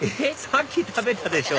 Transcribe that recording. さっき食べたでしょ！